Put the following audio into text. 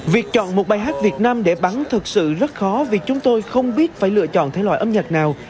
việc chọn một bài hát việt nam để bắn thật sự rất khó vì chúng tôi không biết phải lựa chọn thể loại âm nhạc nào